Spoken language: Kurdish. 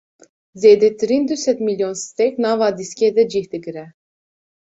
Zêdetirîn du sed mîlyon stêrk nava dîskê de cih digire.